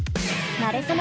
なれそめ！